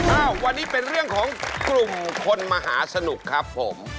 อ้าววันนี้เป็นเรื่องของกลุ่มคนมหาสนุกครับผม